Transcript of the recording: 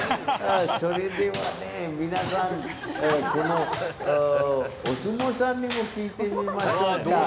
それではこのお相撲さんにも聞いてみましょうか。